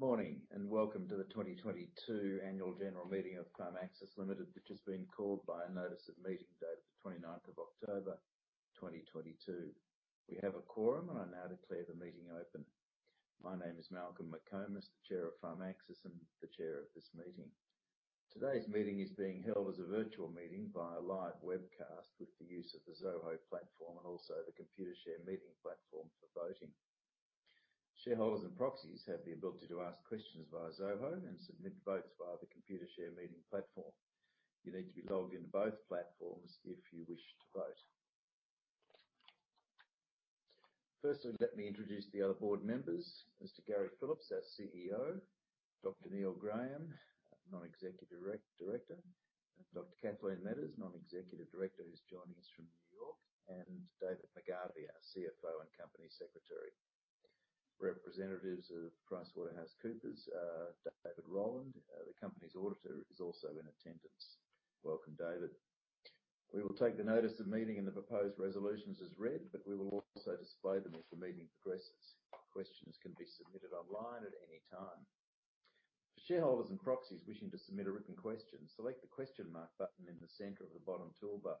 Welcome to the 2022 Annual General Meeting of Pharmaxis Limited, which has been called by a notice of meeting date of the 29th of October 2022. We have a quorum, I now declare the meeting open. My name is Malcolm McComas, the Chair of Pharmaxis and the Chair of this meeting. Today's meeting is being held as a virtual meeting via live webcast with the use of the Zoho platform also the Computershare meeting platform for voting. Shareholders and proxies have the ability to ask questions via Zoho and submit votes via the Computershare meeting platform. You need to be logged into both platforms if you wish to vote. Firstly, let me introduce the other board members, Mr. Gary Phillips, our CEO, Dr. Neil Graham, Non-Executive Director. Dr. Kathleen Metters, Non-Executive Director, who's joining us from New York, and David McGarvey, our CFO and Company Secretary. Representatives of PricewaterhouseCoopers, David Roland, the company's auditor, is also in attendance. Welcome, David. We will take the notice of meeting and the proposed resolutions as read, but we will also display them as the meeting progresses. Questions can be submitted online at any time. Shareholders and proxies wishing to submit a written question, select the question mark button in the center of the bottom toolbar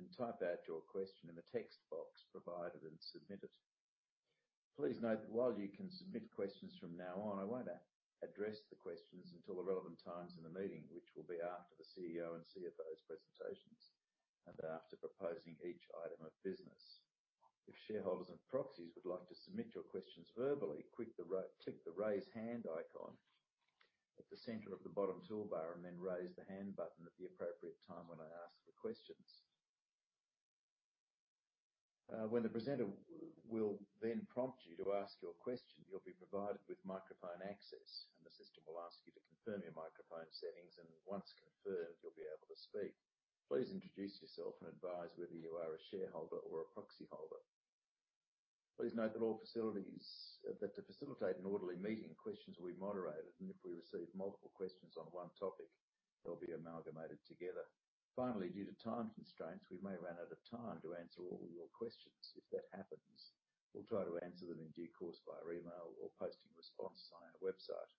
and type out your question in the text box provided, and submit it. Note that while you can submit questions from now on, I won't address the questions until the relevant times in the meeting, which will be after the CEO and CFO's presentations and after proposing each item of business. If shareholders and proxies would like to submit your questions verbally, click the Raise Hand icon at the center of the bottom toolbar, and then Raise the Hand button at the appropriate time when I ask for questions. When the presenter will then prompt you to ask your question, you'll be provided with microphone access, and the system will ask you to confirm your microphone settings. Once confirmed, you'll be able to speak. Please introduce yourself and advise whether you are a shareholder or a proxy holder. Please note that to facilitate an orderly meeting, questions will be moderated, and if we receive multiple questions on one topic, they'll be amalgamated together. Finally, due to time constraints, we may run out of time to answer all of your questions. If that happens, we'll try to answer them in due course via email or posting response on our website.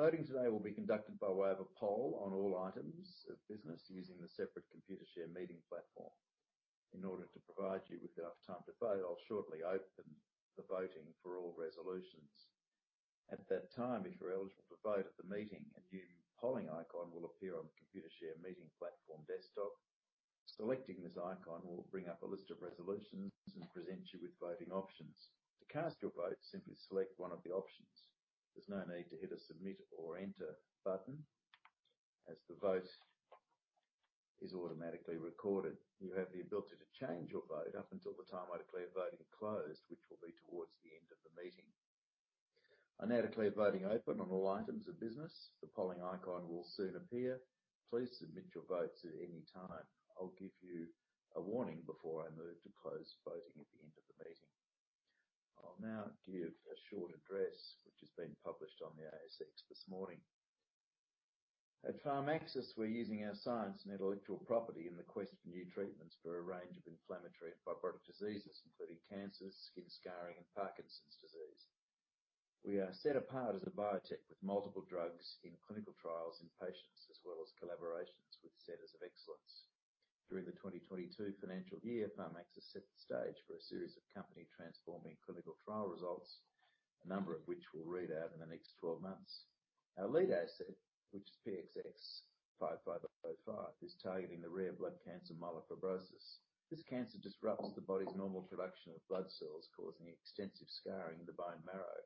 Voting today will be conducted by way of a poll on all items of business using the separate Computershare meeting platform. In order to provide you with enough time to vote, I'll shortly open the voting for all resolutions. At that time, if you're eligible to vote at the meeting, a new polling icon will appear on the Computershare meeting platform desktop. Selecting this icon will bring up a list of resolutions and present you with voting options. To cast your vote, simply select one of the options. There's no need to hit a Submit or Enter button as the vote is automatically recorded. You have the ability to change your vote up until the time I declare voting closed, which will be towards the end of the meeting. I now declare voting open on all items of business. The polling icon will soon appear. Please submit your votes at any time. I'll give you a warning before I move to close voting at the end of the meeting. I'll now give a short address, which has been published on the ASX this morning. At Pharmaxis, we're using our science and intellectual property in the quest for new treatments for a range of inflammatory and fibrotic diseases, including cancers, skin scarring, and Parkinson's disease. We are set apart as a biotech with multiple drugs in clinical trials in patients, as well as collaborations with centers of excellence. During the 2022 financial year, Pharmaxis set the stage for a series of company transforming clinical trial results, a number of which we'll read out in the next 12 months. Our lead asset, which is PXS-5505, is targeting the rare blood cancer myelofibrosis. This cancer disrupts the body's normal production of blood cells, causing extensive scarring in the bone marrow.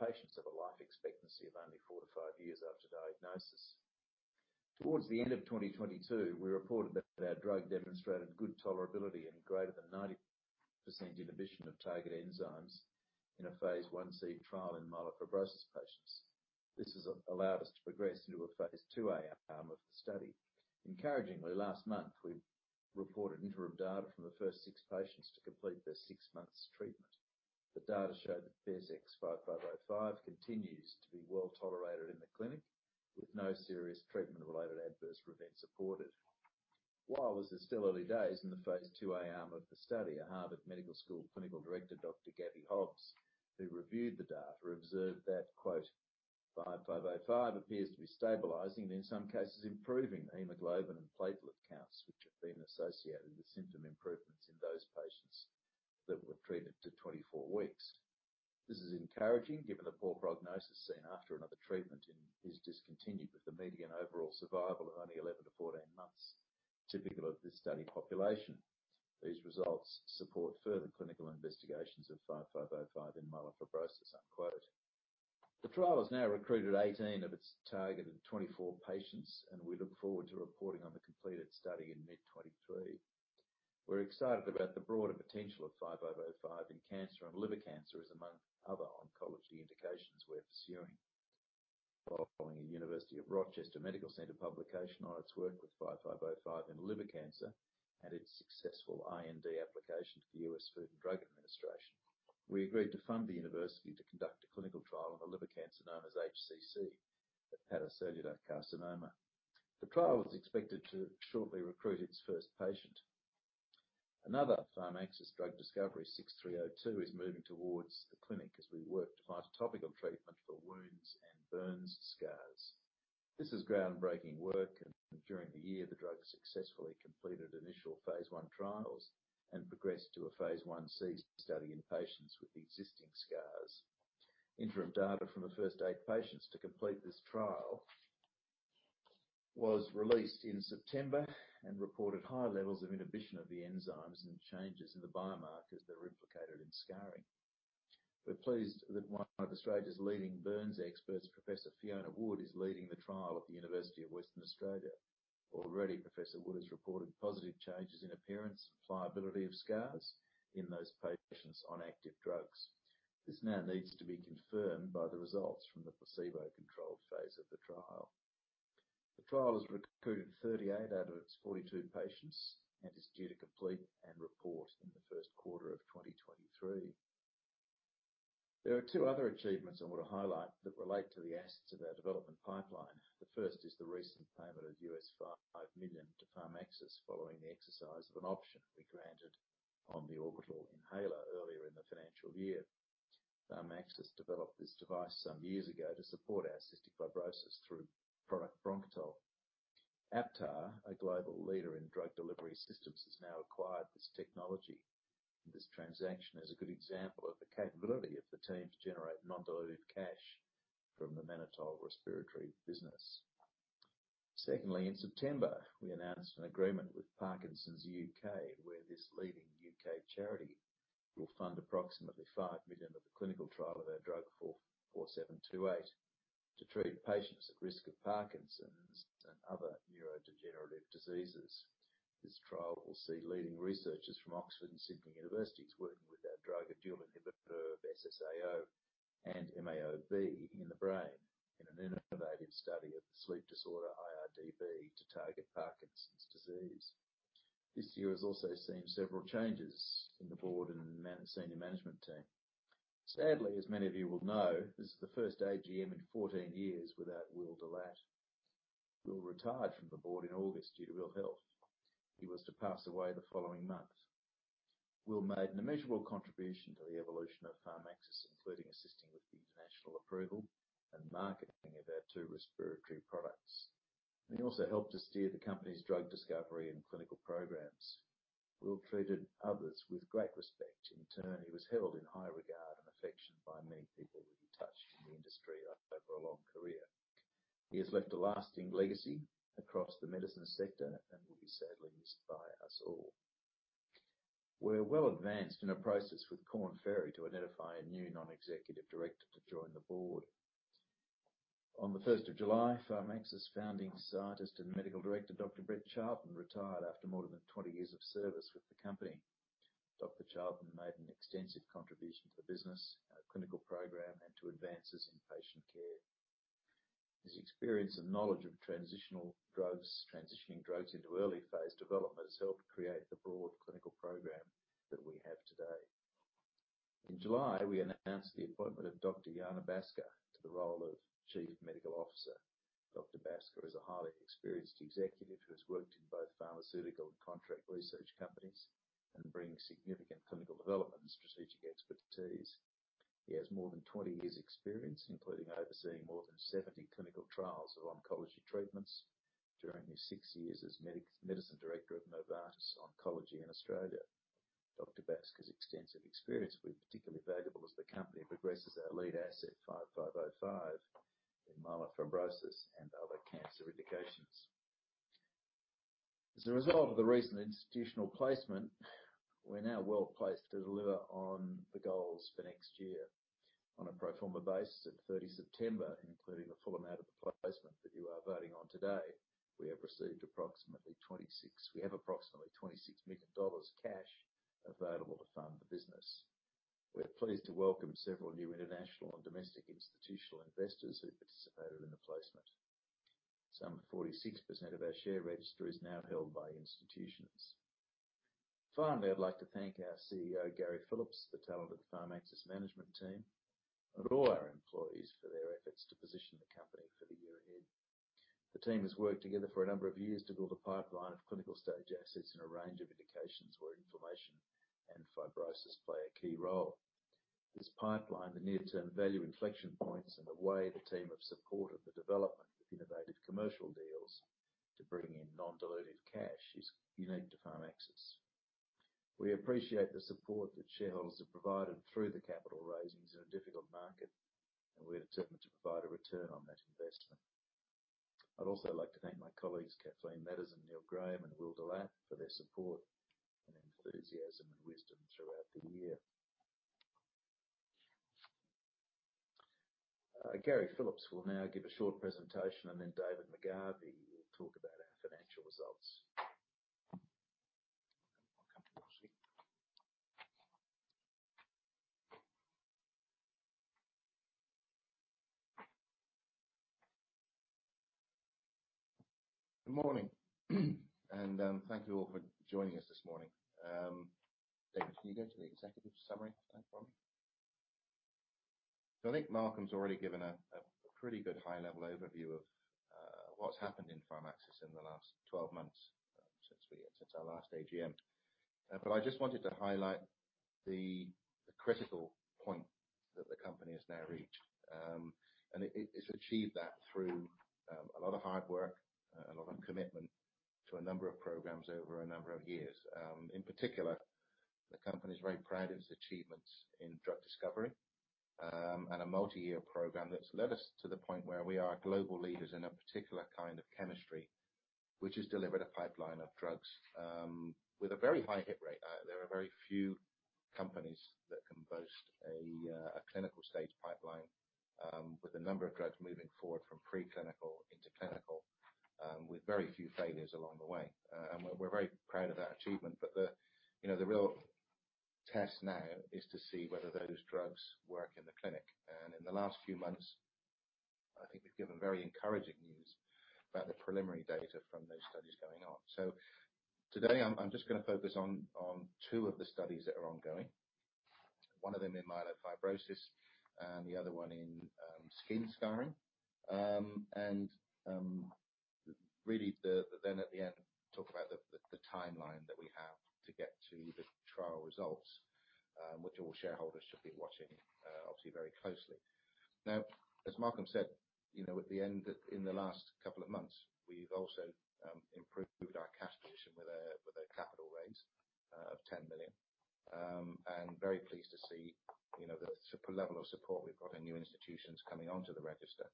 Patients have a life expectancy of only four to five years after diagnosis. Towards the end of 2022, we reported that our drug demonstrated good tolerability in greater than 90% inhibition of target enzymes in a phase I-C trial in myelofibrosis patients. This has allowed us to progress into a phase II-A arm of the study. Encouragingly, last month, we reported interim data from the first six patients to complete their six months treatment. The data showed that PXS-5505 continues to be well-tolerated in the clinic with no serious treatment-related adverse events reported. While this is still early days in the phase II-A arm of the study, our Harvard Medical School Clinical Director, Dr. Gabby Hobbs, who reviewed the data, observed that, quote, "PXS-5505 appears to be stabilizing and in some cases improving hemoglobin and platelet counts, which have been associated with symptom improvements in those patients that were treated to 24 weeks. This is encouraging given the poor prognosis seen after another treatment is discontinued with the median overall survival of only 11-14 months typical of this study population. These results support further clinical investigations of PXS-5505 in myelofibrosis." The trial has now recruited 18 of its targeted 24 patients, and we look forward to reporting on the completed study in mid 2023. We're excited about the broader potential of PXS-5505 in cancer. Liver cancer is among other oncology indications we're pursuing. While following a University of Rochester Medical Center publication on its work with PXS-5505 in liver cancer and its successful IND application to the US Food and Drug Administration, we agreed to fund the university to conduct a clinical trial on the liver cancer known as HCC, hepatocellular carcinoma. The trial is expected to shortly recruit its first patient. Another Syntara drug discovery, PXS-6302, is moving towards the clinic as we work to find a topical treatment for wounds and burns scars. This is groundbreaking work. During the year, the drug successfully completed initial phase I trials and progressed to a phase I-C study in patients with existing scars. Interim data from the first eight patients to complete this trial was released in September and reported high levels of inhibition of the enzymes and changes in the biomarkers that are implicated in scarring. We're pleased that one of Australia's leading burns experts, Professor Fiona Wood, is leading the trial at the University of Western Australia. Already, Professor Wood has reported positive changes in appearance and pliability of scars in those patients on active drugs. This now needs to be confirmed by the results from the placebo-controlled phase of the trial. The trial has recruited 38 out of its 42 patients and is due to complete and report in the first quarter of 2023. There are two other achievements I want to highlight that relate to the assets of our development pipeline. The first is the recent payment of $5 million to Pharmaxis following the exercise of an option we granted on the Orbital inhaler earlier in the financial year. Pharmaxis developed this device some years ago to support our cystic fibrosis through product Bronchitol. Aptar, a global leader in drug delivery systems, has now acquired this technology, and this transaction is a good example of the capability of the team to generate non-dilutive cash from the mannitol respiratory business. Secondly, in September, we announced an agreement with Parkinson's UK, where this leading UK charity will fund approximately 5 million of the clinical trial of our drug PXS-4728 to treat patients at risk of Parkinson's and other neurodegenerative diseases. This trial will see leading researchers from Oxford and Sydney universities working with our drug adjuvant inhibitor of SSAO and MAO-B in the brain in an innovative study of the sleep disorder iRBD to target Parkinson's disease. This year has also seen several changes in the board and senior management team. Sadly, as many of you will know, this is the first AGM in 14 years without Will Delaat. Will retired from the board in August due to ill health. He was to pass away the following month. Will made an immeasurable contribution to the evolution of Pharmaxis, including assisting with the international approval and marketing of our two respiratory products. He also helped to steer the company's drug discovery and clinical programs. Will treated others with great respect. In turn, he was held in high regard and affection by many people that he touched in the industry over a long career. He has left a lasting legacy across the medicine sector and will be sadly missed by us all. We're well advanced in a process with Korn Ferry to identify a new non-executive director to join the board. On the first of July, Pharmaxis Founding Scientist and Medical Director, Dr. Brett Charlton, retired after more than 20 years of service with the company. Dr. Charlton made an extensive contribution to the business, our clinical program, and to advances in patient care. His experience and knowledge of transitional drugs, transitioning drugs into early phase development has helped create the broad clinical program that we have today. In July, we announced the appointment of Dr. Jana Baskar to the role of Chief Medical Officer. Dr. Baskar is a highly experienced executive who has worked in both pharmaceutical and contract research companies and brings significant clinical development and strategic expertise. He has more than 20 years experience, including overseeing more than 70 clinical trials of oncology treatments during his six years as Medicine Director of Novartis Oncology in Australia. Dr. Baskar's extensive experience will be particularly valuable as the company progresses our lead asset, PXS-5505, in myelofibrosis and other cancer indications. As a result of the recent institutional placement, we're now well-placed to deliver on the goals for next year. On a pro forma basis, at 30 September, including the full amount of the placement that you are voting on today, we have approximately 26 million dollars cash available to fund the business. We're pleased to welcome several new international and domestic institutional investors who participated in the placement. Some 46% of our share register is now held by institutions. Finally, I'd like to thank our CEO Gary Phillips, the talented Pharmaxis management team, and all our employees for their efforts to position the company for the year ahead. The team has worked together for a number of years to build a pipeline of clinical-stage assets in a range of indications where inflammation and fibrosis play a key role. This pipeline, the near-term value inflection points, and the way the team have supported the development of innovative commercial deals to bring in non-dilutive cash is unique to Pharmaxis. We appreciate the support that shareholders have provided through the capital raisings in a difficult market, and we're determined to provide a return on that investment. I'd also like to thank my colleagues Kathleen Metters, Neil Graham, and Will Delaat for their support and enthusiasm and wisdom throughout the year. Gary Phillips will now give a short presentation, and then David McGarvey will talk about our financial results. I'll come to you, Gary. Good morning. Thank you all for joining us this morning. David, can you go to the executive summary slide for me? I think Malcolm's already given a pretty good high-level overview of what's happened in Pharmaxis in the last 12 months since our last AGM. I just wanted to highlight the critical point that the company has now reached. It's achieved that through a lot of hard work, a lot of commitment to a number of programs over a number of years. In particular, the company is very proud of its achievements in drug discovery and a multi-year program that's led us to the point where we are global leaders in a particular kind of chemistry, which has delivered a pipeline of drugs with a very high hit rate. There are very few companies that can boast a clinical stage pipeline with a number of drugs moving forward from pre-clinical into clinical with very few failures along the way. We're very proud of that achievement. The, you know, the real test now is to see whether those drugs work in the clinic. In the last few months, I think we've given very encouraging news about the preliminary data from those studies going on. Today I'm just gonna focus on two of the studies that are ongoing. One of them in myelofibrosis and the other one in skin scarring. Really then at the end, talk about the timeline that we have to get to the trial results, which all shareholders should be watching obviously very closely. Now, as Malcolm said, you know, in the last couple of months, we've also improved our cash position with a capital raise of 10 million. Very pleased to see, you know, the level of support we've got in new institutions coming onto the register.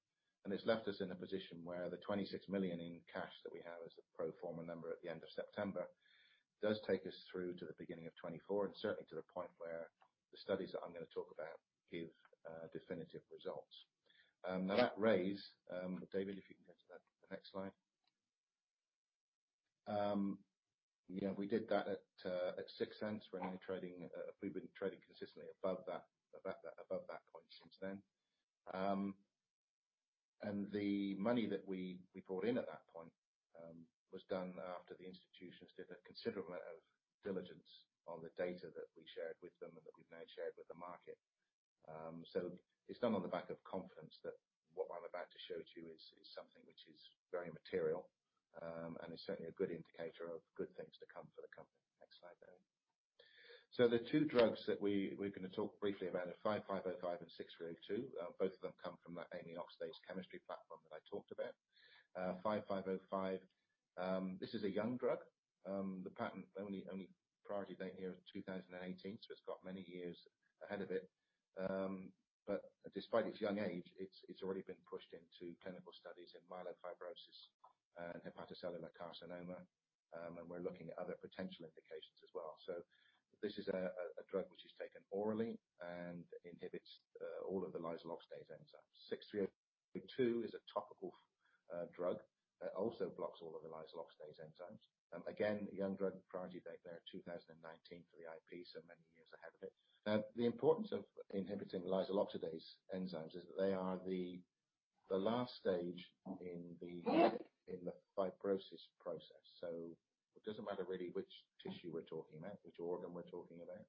It's left us in a position where the 26 million in cash that we have as a pro forma number at the end of September, does take us through to the beginning of 2024, and certainly to the point where the studies that I'm gonna talk about give definitive results. Now that raise, David, if you can go to the next slide. Yeah, we did that at 0.06. We're only trading, we've been trading consistently above that point since then. The money that we brought in at that point was done after the institutions did a considerable amount of diligence on the data that we shared with them and that we've now shared with the market. It's done on the back of confidence that what I'm about to show to you is something which is very material and is certainly a good indicator of good things to come for the company. Next slide, David. The two drugs that we're gonna talk briefly about are PXS-5505 and PXS-6302. Both of them come from that amine oxidase chemistry platform that I talked about. PXS-5505, this is a young drug. The patent only priority date here is 2018, so it's got many years ahead of it. Despite its young age, it's already been pushed into clinical studies in myelofibrosis and hepatocellular carcinoma. We're looking at other potential indications as well. This is a drug which is taken orally and inhibits all of the lysyl oxidase enzyme. PXS-6302 is a topical drug that also blocks all of the lysyl oxidase enzymes. Again, a young drug. Priority date there, 2019 for the IP, so many years ahead of it. The importance of inhibiting lysyl oxidase enzymes is that they are the last stage in the fibrosis process. It doesn't matter really which tissue we're talking about, which organ we're talking about,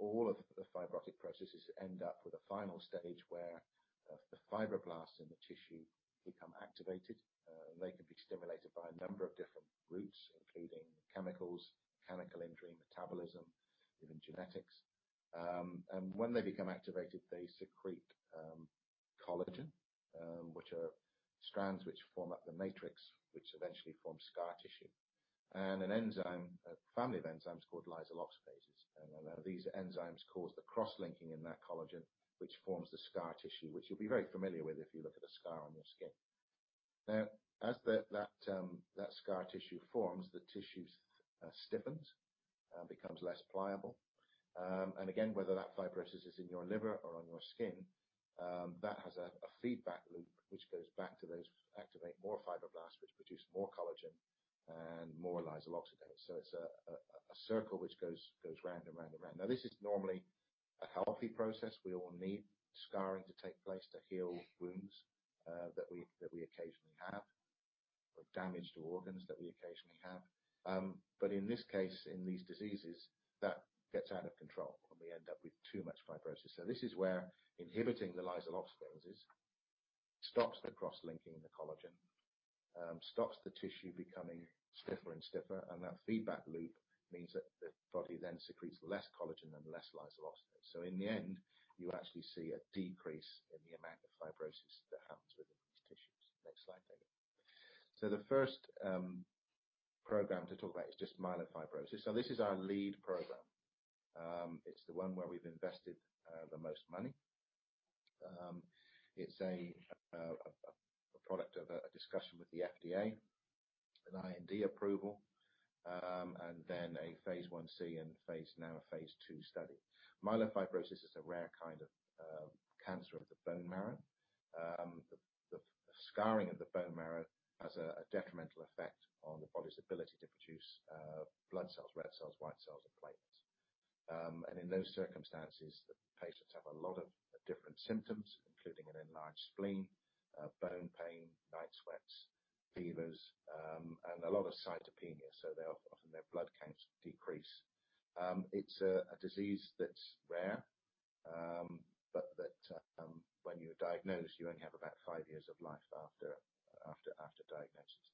all of the fibrotic processes end up with a final stage where the fibroblasts in the tissue become activated. They can be stimulated by a number of different routes, including chemicals, chemical injury, metabolism, even genetics. When they become activated, they secrete collagen, which are strands which form up the matrix, which eventually forms scar tissue. An enzyme, a family of enzymes called lysolecithinases, these enzymes cause the cross-linking in that collagen, which forms the scar tissue, which you'll be very familiar with if you look at a scar on your skin. Now, as that scar tissue forms, the tissues stiffens and becomes less pliable. Again, whether that fibrosis is in your liver or on your skin, that has a feedback loop which goes back to those, activate more fibroblasts, which produce more collagen and more lysolecithinase. It's a circle which goes round and round and round. This is normally a healthy process. We all need scarring to take place to heal wounds that we occasionally have, or damage to organs that we occasionally have. In this case, in these diseases, that gets out of control and we end up with too much fibrosis. This is where inhibiting the lysolecithinases stops the cross-linking of the collagen, stops the tissue becoming stiffer and stiffer. That feedback loop means that the body then secretes less collagen and less lysolecithinase. In the end, you actually see a decrease in the amount of fibrosis that happens within tissues. Next slide, David. The first program to talk about is just myelofibrosis. This is our lead program. It's the one where we've invested the most money. It's a product of a discussion with the FDA, an IND approval, then a phase I-C and now a phase II study. Myelofibrosis is a rare kind of cancer of the bone marrow. The scarring of the bone marrow has a detrimental effect on the body's ability to produce blood cells, red cells, white cells and platelets. In those circumstances, the patients have a lot of different symptoms, including an enlarged spleen, bone pain, night sweats, fevers, a lot of cytopenia. Their blood counts decrease. It's a disease that's rare, but when you're diagnosed, you only have about five years of life after diagnosis.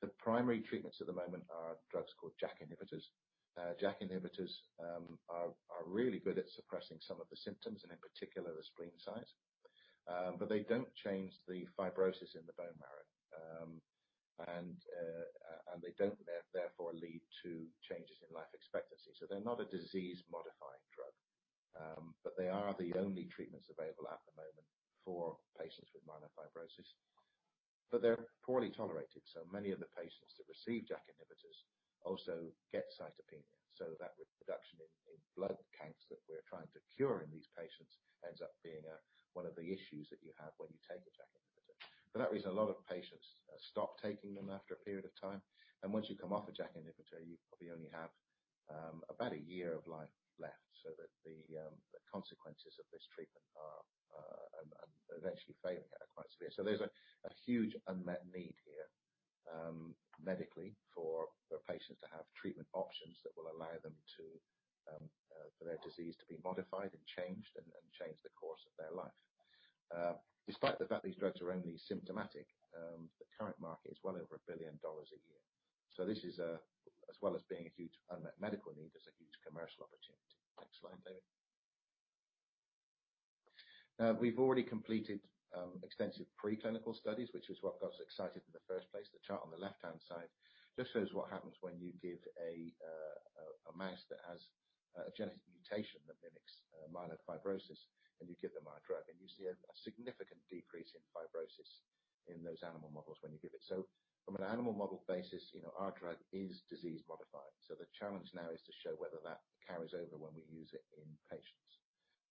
The primary treatments at the moment are drugs called JAK inhibitors. JAK inhibitors are really good at suppressing some of the symptoms and in particular the spleen size, but they don't change the fibrosis in the bone marrow. They don't therefore lead to changes in life expectancy. They're not a disease-modifying drug, but they are the only treatments available at the moment for patients with myelofibrosis. They're poorly tolerated, so many of the patients that receive JAK inhibitors also get cytopenia. That reduction in blood counts that we're trying to cure in these patients ends up being one of the issues that you have when you take a JAK inhibitor. For that reason, a lot of patients stop taking them after a period of time. Once you come off a JAK inhibitor, you probably only have about a year of life left. That the consequences of this treatment are eventually failing are quite severe. There's a huge unmet need here medically for patients to have treatment options that will allow them to for their disease to be modified and changed, and change the course of their life. Despite the fact these drugs are only symptomatic, the current market is well over $1 billion a year. This is as well as being a huge unmet medical need, is a huge commercial opportunity. Next slide, David. We've already completed extensive preclinical studies, which is what got us excited in the first place. The chart on the left-hand side just shows what happens when you give a mouse that has a genetic mutation that mimics myelofibrosis, and you give them our drug, and you see a significant decrease in fibrosis in those animal models when you give it. From an animal model basis, you know, our drug is disease-modifying. The challenge now is to show whether that carries over when we use it in patients.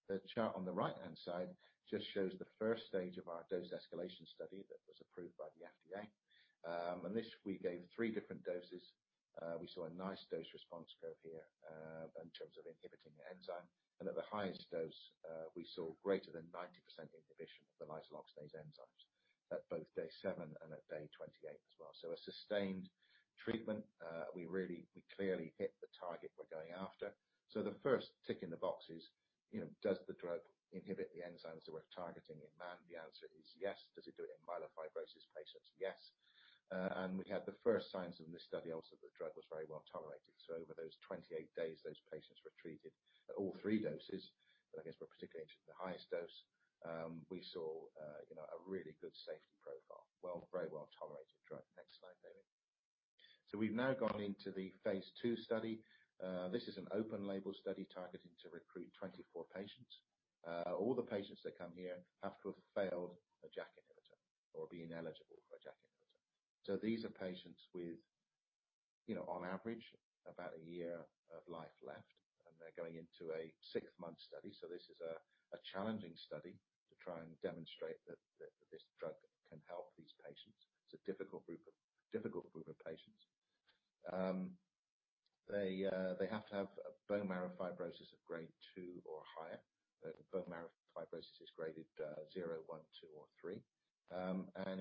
The chart on the right-hand side just shows the first stage of our dose escalation study that was approved by the FDA. This, we gave three different doses. We saw a nice dose response curve here, in terms of inhibiting the enzyme. At the highest dose, we saw greater than 90% inhibition of the lysolecithinases enzymes at both day seven and at day 28 as well. A sustained treatment. We clearly hit the target we're going after. The first tick in the box is, you know, does the drug inhibit the enzymes that we're targeting in man? The answer is yes. Does it do it in myelofibrosis patients? Yes. We had the first signs in this study also that the drug was very well-tolerated. Over those 28 days, those patients were treated at all three doses, but I guess we're particularly interested in the highest dose. We saw, you know, a really good safety profile. Very well-tolerated drug. Next slide, David. We've now gone into the phase II study. This is an open label study targeting to recruit 24 patients. All the patients that come here have to have failed a JAK inhibitor or been ineligible for a JAK inhibitor. These are patients with, you know, on average about one year of life left, and they're going into a six-month study. This is a challenging study to try and demonstrate that this drug can help these patients. It's a difficult group of patients. They have to have a bone marrow fibrosis of grade 2 or higher. Bone marrow fibrosis is graded 0, 1, 2 or 3.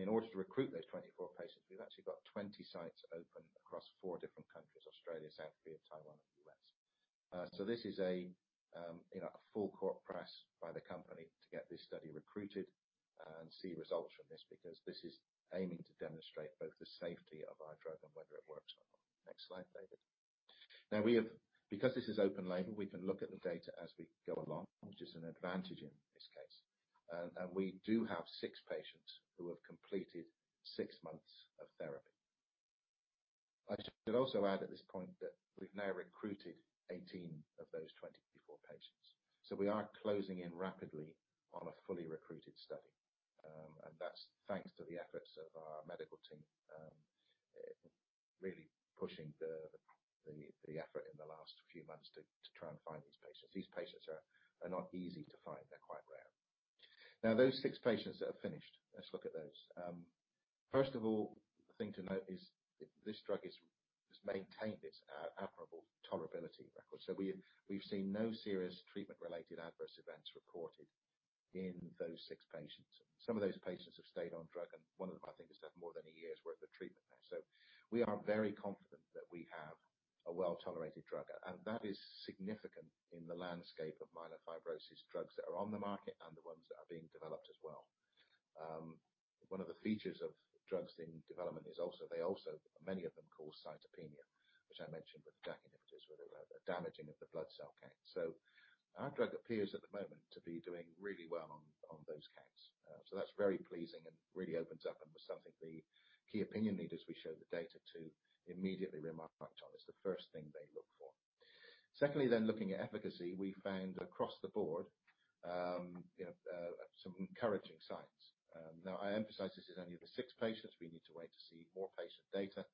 In order to recruit those 24 patients, we've actually got 20 sites open across four different countries, Australia, South Korea, Taiwan and U.S. This is a, you know, a full court press by the company to get this study recruited and see results from this because this is aiming to demonstrate both the safety of our drug and whether it works or not. Next slide, David. Because this is open label, we can look at the data as we go along, which is an advantage in this case. We do have six patients who have completed six months of therapy. I should also add at this point that we've now recruited 18 of those 24 patients. We are closing in rapidly on a fully recruited study. That's thanks to the efforts of our medical team, really pushing the effort in the last few months to try and find these patients. These patients are not easy to find. They're quite rare. Now, those six patients that have finished, let's look at those. First of all, the thing to note is this drug is, has maintained its admirable tolerability record. We've seen no serious treatment-related adverse events reported in those six patients. Some of those patients have stayed on drug, and one of them I think is at more than a year's worth of treatment now. We are very confident that we have a well-tolerated drug. That is significant in the landscape of myelofibrosis drugs that are on the market and the ones that are being developed as well. One of the features of drugs in development is they also, many of them cause cytopenia, which I mentioned with JAK inhibitors, where they damaging of the blood cell counts. Our drug appears at the moment to be doing really well on those counts. That's very pleasing and really opens up and was something the key opinion leaders we showed the data to immediately remarked on. It's the first thing they look for. Secondly, looking at efficacy, we found across the board, you know, some encouraging signs. I emphasize this is only the six patients. We need to wait to see more patient data.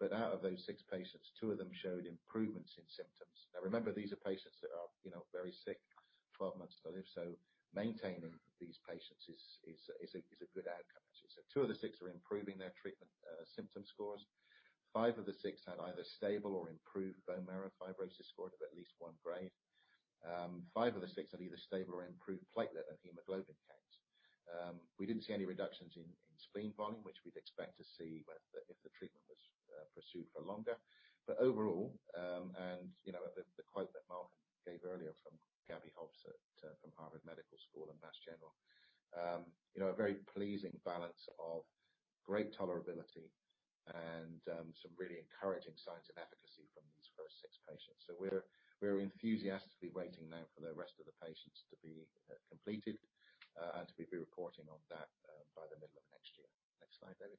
Out of those six patients, two of them showed improvements in symptoms. Remember, these are patients that are, you know, very sick, 12 months to live, so maintaining these patients is a good outcome. Two of the six are improving their treatment, symptom scores. Five of the six had either stable or improved bone marrow fibrosis score of at least one grade. Five of the six had either stable or improved platelet and hemoglobin counts. We didn't see any reductions in spleen volume, which we'd expect to see when if the treatment was pursued for longer. Overall, you know, the quote that Malcolm gave earlier from Gabby Hobbs from Harvard Medical School and Mass General, you know, a very pleasing balance of great tolerability and some really encouraging signs of efficacy from these first six patients. We're enthusiastically waiting now for the rest of the patients to be completed and to be reporting on that by the middle of next year. Next slide, David.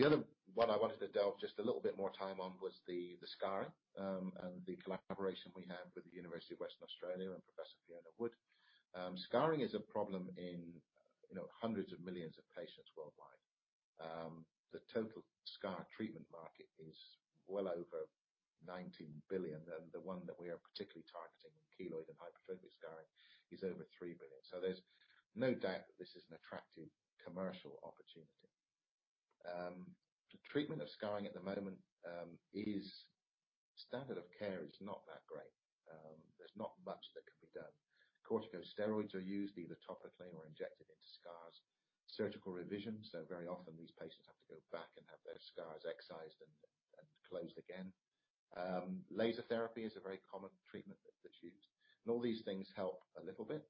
The other one I wanted to delve just a little bit more time on was the scarring, and the collaboration we have with the University of Western Australia and Professor Fiona Wood. Scarring is a problem in, you know, hundreds of millions of patients worldwide. The total scar treatment market is well over 19 billion, and the one that we are particularly targeting, keloid and hypertrophic scarring, is over 3 billion. There's no doubt that this is an attractive commercial opportunity. The treatment of scarring at the moment. Standard of care is not that great. There's not much that can be done. Corticosteroids are used either topically or injected into scars. Surgical revisions, very often these patients have to go back and have their scars excised and closed again. Laser therapy is a very common treatment that's used. All these things help a little bit,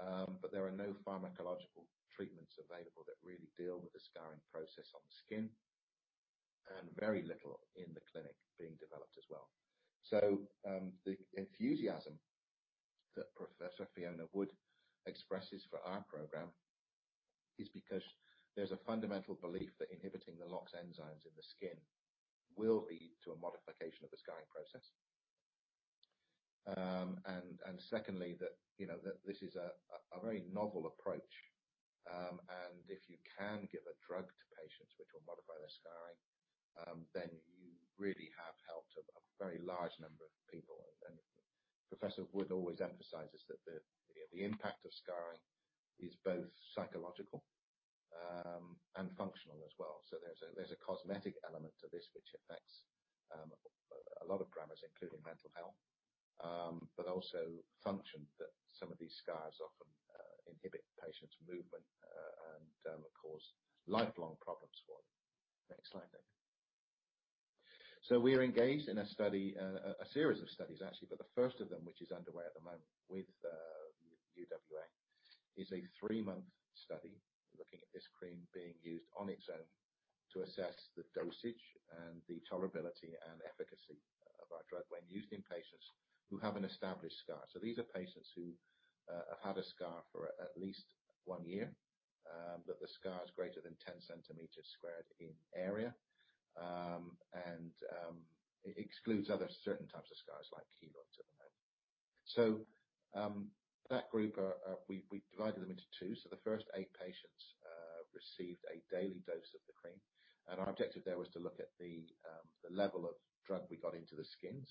but there are no pharmacological treatments available that really deal with the scarring process on the skin, and very little in the clinic being developed as well. The enthusiasm that Professor Fiona Wood expresses for our program is because there's a fundamental belief that inhibiting the LOX enzymes in the skin will lead to a modification of the scarring process. And secondly that, you know, this is a very novel approach, and if you can give a drug to patients which will modify their scarring, then you really have helped a very large number of people. Professor Wood always emphasizes that the, you know, the impact of scarring is both psychological, and functional as well. There's a cosmetic element to this which affects a lot of parameters, including mental health. But also function, that some of these scars often inhibit patients' movement and cause lifelong problems for them. Next slide, David. We're engaged in a study, a series of studies actually, but the first of them, which is underway at the moment with UWA, is a three-month study looking at this cream being used on its own to assess the dosage and the tolerability and efficacy of our drug when used in patients who have an established scar. These are patients who have had a scar for at least one year, that the scar is greater than 10 centimeters squared in area, and it excludes other certain types of scars like keloids at the moment. That group are, we divided them into two. The first eight patients received a daily dose of the cream, and our objective there was to look at the level of drug we got into the skin.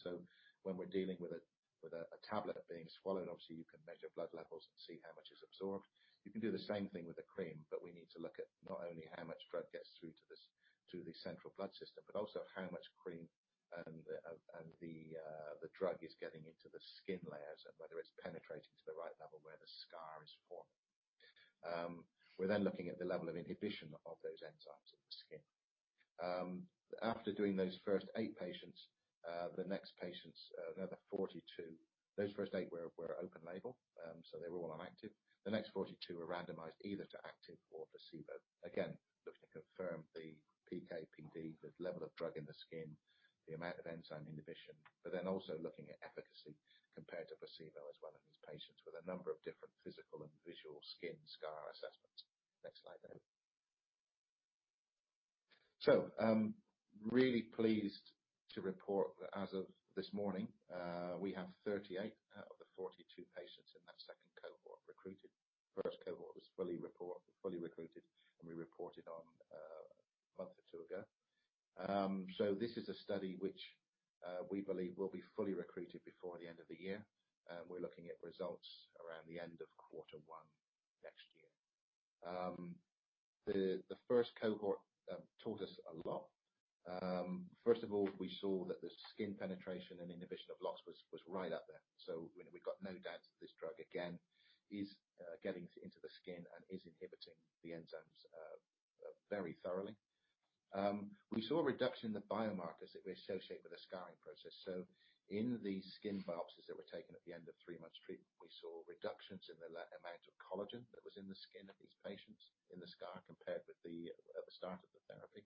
When we're dealing with a, with a tablet being swallowed, obviously, you can measure blood levels and see how much is absorbed. You can do the same thing with a cream, but we need to look at not only how much drug gets through to the through the central blood system, but also how much cream and the and the the drug is getting into the skin layers and whether it's penetrating to the right level where the scar is forming. We're then looking at the level of inhibition of those enzymes in the skin. After doing those first eight patients, the next patients, another 42. Those first eight were open label, so they were all on active. The next 42 were randomized either to active or placebo. Again, looking to confirm the PK/PD, the level of drug in the skin, the amount of enzyme inhibition, but then also looking at efficacy compared to placebo as well in these patients with a number of different physical and visual skin scar assessments. Next slide, David. I'm really pleased to report that as of this morning, we have 38 out of the 42 patients in that second cohort recruited. First cohort was fully recruited, and we reported on a month or two ago. This is a study which we believe will be fully recruited before the end of the year. We're looking at results around the end of quarter one next year. The first cohort taught us a lot. First of all, we saw that the skin penetration and inhibition of LOX was right up there. We got no doubts that this drug, again, is getting into the skin and is inhibiting the enzymes very thoroughly. We saw a reduction in the biomarkers that we associate with the scarring process. In the skin biopsies that were taken at the end of three-month treatment, we saw reductions in the amount of collagen that was in the skin of these patients in the scar compared with the start of the therapy.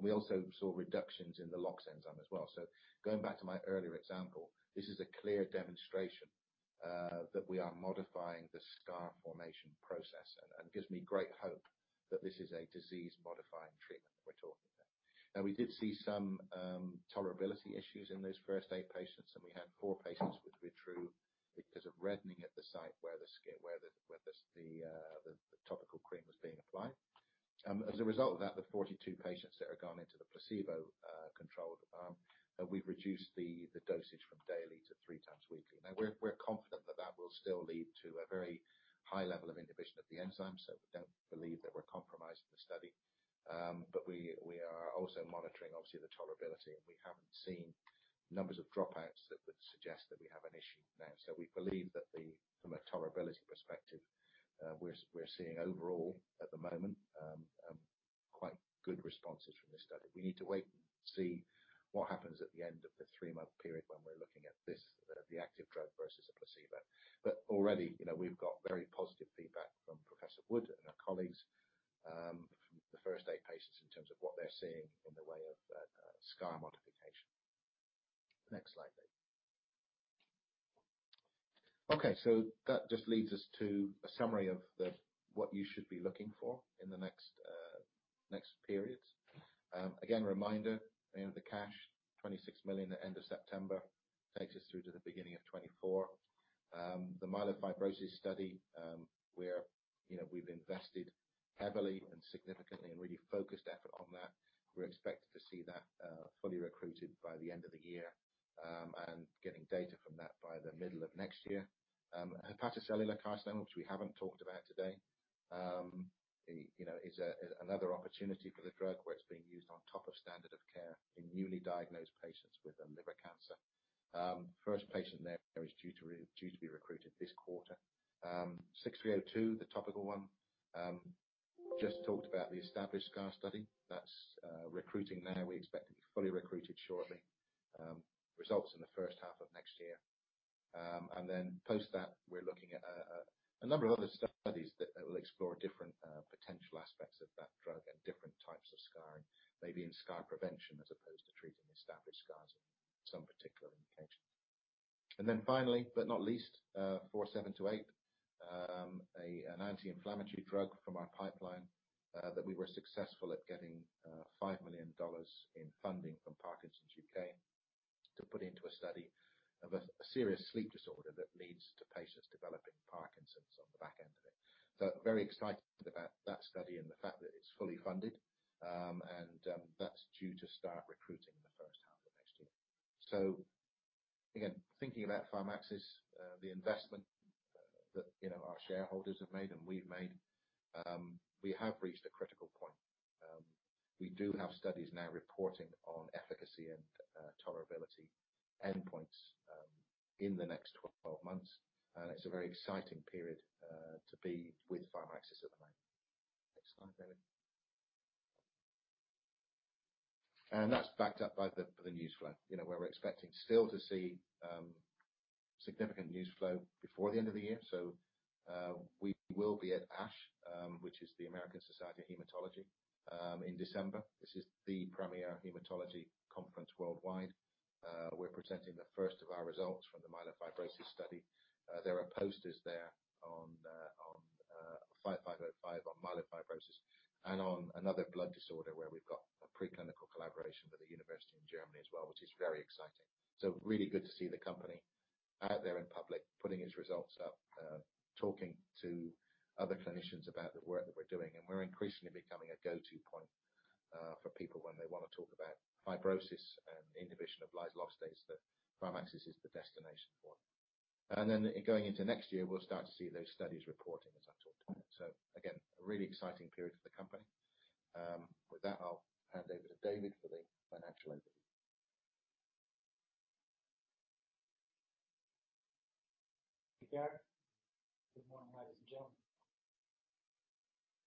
We also saw reductions in the LOX enzyme as well. Going back to my earlier example, this is a clear demonstration that we are modifying the scar formation process and it gives me great hope that this is a disease-modifying treatment that we're talking about. We did see some tolerability issues in those first eight patients, and we had four patients withdraw because of reddening at the site where the topical cream was being applied. As a result of that, the 42 patients that are going into the placebo controlled arm, we've reduced the dosage from daily to 3x weekly. We're confident that that will still lead to a very high level of inhibition of the enzyme, so we don't believe that we're compromising the study. We are also monitoring obviously the tolerability, and we haven't seen numbers of dropouts that would suggest that we have an issue now. We believe that from a tolerability perspective, we're seeing overall at the moment quite good responses from this study. We need to wait and see what happens at the end of the three-month period when we're looking at this, the active drug versus a placebo. Already, you know, we've got very positive feedback from Professor Wood and her colleagues, from the first eight patients in terms of what they're seeing in the way of scar modification. Next slide, please. Okay, that just leads us to a summary of what you should be looking for in the next periods. Again, a reminder, you know, the cash, 26 million at end of September, takes us through to the beginning of 2024. The myelofibrosis study, you know, we've invested heavily and significantly and really focused effort on that. We're expected to see that fully recruited by the end of the year, and getting data from that by the middle of next year. Hepatocellular carcinoma, which we haven't talked about today, you know, is another opportunity for the drug where it's being used on top of standard of care in newly diagnosed patients with liver cancer. First patient there is due to be recruited this quarter. PXS-6302, the topical one, just talked about the established scar study that's recruiting now. We expect to be fully recruited shortly. Results in the H1 of next year. Post that, we're looking at a number of other studies that will explore different potential aspects of that drug and different types of scarring. Maybe in scar prevention as opposed to treating established scars in some particular indications. Finally, but not least, PXS-4728, an anti-inflammatory drug from our pipeline, that we were successful at getting $5 million in funding from Parkinson's UK. To put into a study of a serious sleep disorder that leads to patients developing Parkinson's on the back end of it. Very excited about that study and the fact that it's fully funded. That's due to start recruiting in the H1 of next year. Again, thinking about Pharmaxis, the investment that, you know, our shareholders have made and we've made, we have reached a critical point. We do have studies now reporting on efficacy and tolerability endpoints in the next 12 months. It's a very exciting period to be with Pharmaxis at the moment. Next slide, David. That's backed up by the news flow, you know, where we're expecting still to see significant news flow before the end of the year. We will be at ASH, which is the American Society of Hematology, in December. This is the premier hematology conference worldwide. We're presenting the first of our results from the myelofibrosis study. There are posters there on the, on PXS-5505 on myelofibrosis and on another blood disorder where we've got a preclinical collaboration with a university in Germany as well, which is very exciting. Really good to see the company out there in public, putting its results up, talking to other clinicians about the work that we're doing. We're increasingly becoming a go-to point for people when they wanna talk about fibrosis and inhibition of lysyl oxidase, that Pharmaxis is the destination for. Going into next year, we'll start to see those studies reporting, as I talked about. Again, a really exciting period for the company. With that, I'll hand over to David for the financial update. Thank you Gary. Good morning ladies and gentlemen.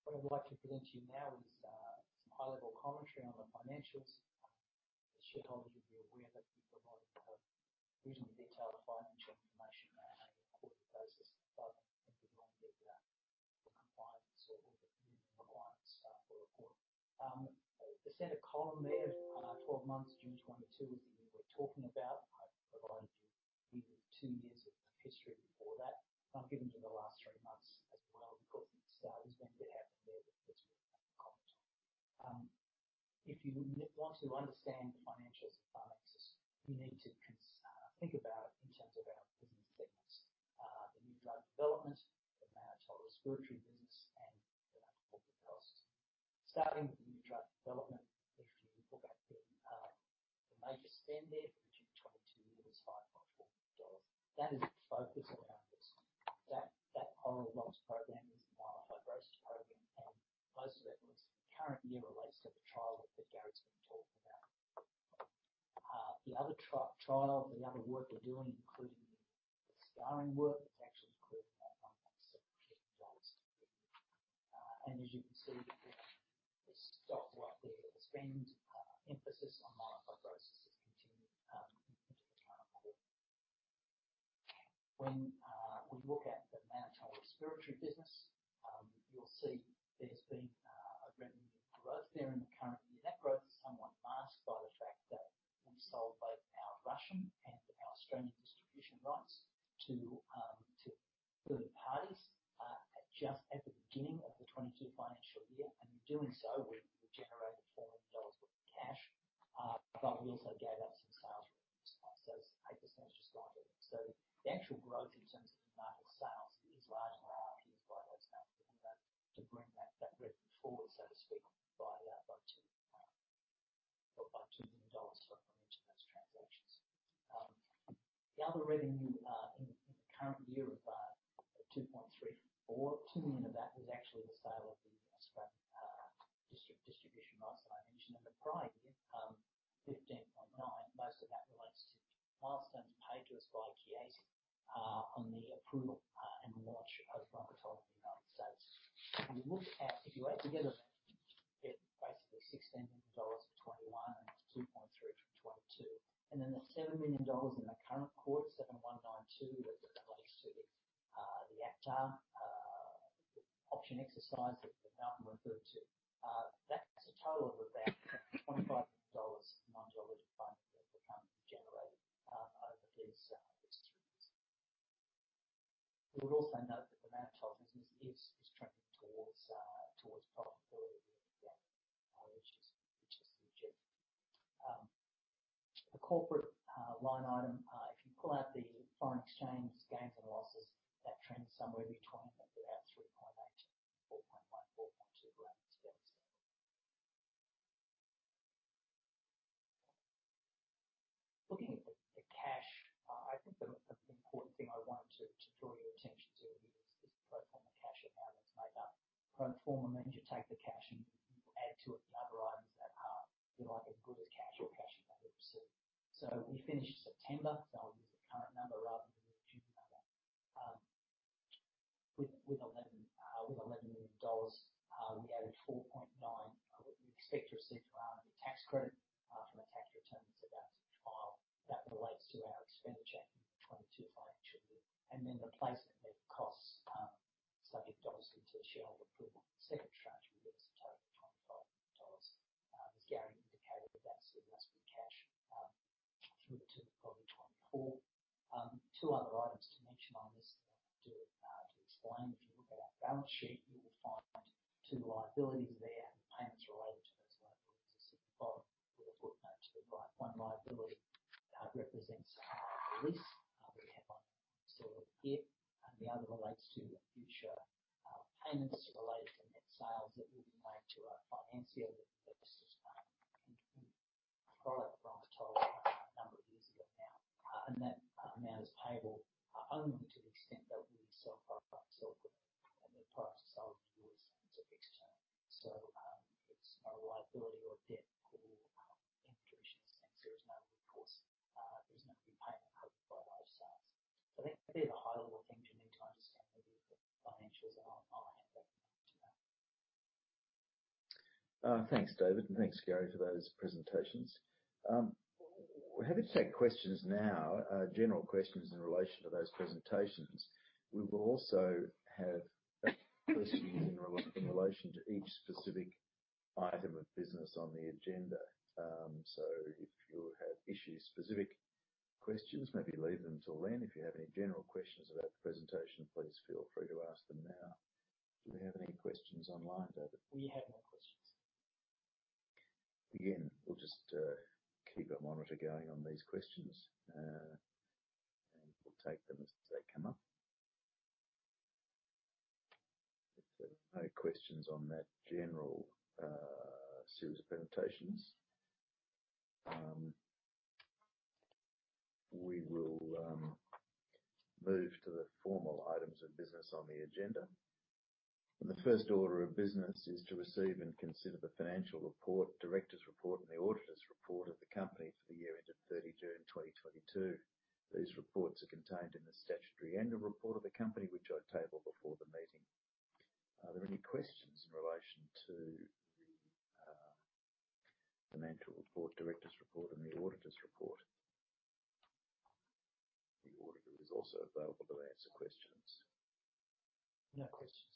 What I would like to present to you now is some high-level commentary on the financials. The shareholders will be aware that we provide reasonably detailed financial information on a quarterly basis, only if we want to get for compliance or the requirements for reporting. The center column there, 12 months June 2022 is the year we're talking about. I've provided you with two years of history before that. I've given you the last three months as well because there's been a bit happening there that's worth commenting. If you want to understand the financials at Pharmaxis, you need to think about it in terms of our business segments. The new drug development, the Mannitol respiratory business and the corporate costs. Starting with the new drug development, if you look at the major spend there for the 2022 year is 5.4 million. That is the focus of our business. That oral LOX program is the myelofibrosis program, most of it was currently released at the trial that Gary's been talking about. The other trial, the other work we're doing, including the scarring work, it's actually included in that AUD 5.6 million. As you can see, the stocks right there, the spend emphasis on myelofibrosis is continuing into the current quarter. When we look at the Mannitol respiratory business, you'll see there's been a revenue growth there in the current year. That growth is somewhat masked by the fact that we sold both our Russian and our Australian distribution rights to third parties at just at the beginning of the 2022 financial year. In doing so, we generated AUD 4 million worth of cash, but we also gave up some sales revenue. 8% is just light. The actual growth in terms of the market sales is largely to bring that revenue forward, so to speak, by AUD 2 million sort of into those transactions. The other revenue in the current year of 2.34 million, 2 million of that was actually the sale of the distribution rights that I mentioned. In the prior year, 15.9 million, most of that relates to milestones paid to us by Chiesi, on the approval, and launch of Bronchitol in the United States. When you look at, if you add together, you get basically AUD 16 million for 2021 and AUD 2.3 million from 2022. The AUD 7 million subject obviously to the shareholder approval. The second tranche will give us a total of $25 million. As Gary indicated, that's the investment cash, through to probably 2024. Two other items to mention on this to explain. If you look at our balance sheet, you will find two liabilities there and payments related to those liabilities are sitting below with a footnote to the right. One liability represents a lease we have on some of our IP, and the other relates to future payments related to net sales that will be made to a financier that assisted in product Bronchitol a number of years ago now. That amount is payable, only to the extent that we sell product. The price of sale is yours and it's a fixed term. It's not a liability or debt or in traditional sense, there is no recourse. There's no repayment by way of sales. They're the high level things you need to understand maybe for financials, and I'll hand back now to Malcolm. Thanks David and thanks Gary for those presentations. We're happy to take questions now, general questions in relation to those presentations. We will also have questions in relation to each specific item of business on the agenda. If you have issue specific questions, maybe leave them till then. If you have any general questions about the presentation, please feel free to ask them now. Do we have any questions online, David? We have no questions. Again, we'll just keep that monitor going on these questions, and we'll take them as they come up. If there are no questions on that general series of presentations, we will move to the formal items of business on the agenda. The first order of business is to receive and consider the Financial Report, Directors Report, and the Auditors Report of the company for the year ended 30 June 2022. These reports are contained in the statutory annual report of the company, which I table before the meeting. Are there any questions in relation to the financial report, directors report and the auditors report? The auditor is also available to answer questions. No questions.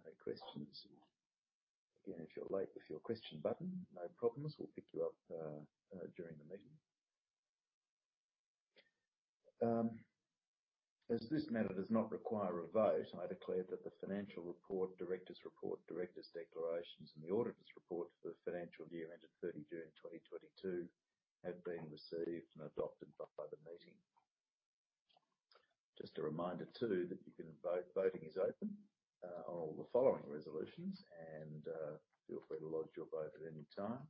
No questions. If you're late with your question button, no problems. We'll pick you up during the meeting. As this matter does not require a vote, I declare that the financial report, directors report, directors declarations, and the auditors report for the financial year ended 30 June 2022 have been received and adopted by the meeting. Just a reminder too that you can vote. Voting is open on all the following resolutions. Feel free to lodge your vote at any time.